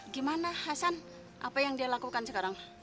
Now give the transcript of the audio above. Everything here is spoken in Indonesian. gimana hasan apa yang dia lakukan sekarang